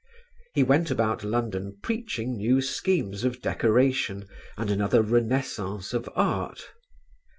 He went about London preaching new schemes of decoration and another Renaissance of art.